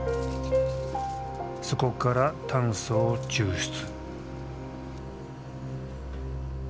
そこから炭素を抽出。